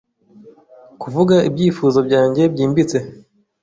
Kuvuga ibyifuzo byanjye byimbitse